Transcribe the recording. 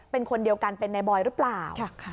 เป็นคนเดียวกันเป็นนายบอยหรือเปล่า